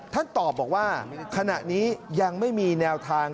ท่านตอบบอกว่าขณะนี้ยังไม่มีแนวทาง